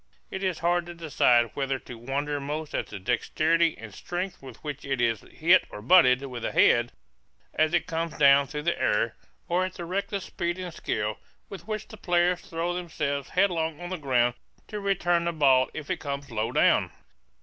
It is hard to decide whether to wonder most at the dexterity and strength with which it is hit or butted with the head, as it comes down through the air, or at the reckless speed and skill with which the players throw themselves headlong on the ground to return the ball if it comes low down.